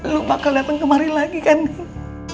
lu bakal dateng kemari lagi kan neng